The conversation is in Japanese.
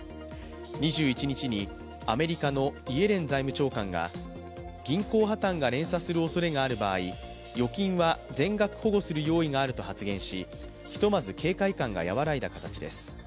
２１日にアメリカのイエレン財務長官が銀行破綻が連鎖するおそれがある場合預金は全額保護する用意があると発言しひとまず警戒感が和らいだ形です。